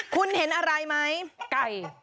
คุณเห็นอะไรไหมไก่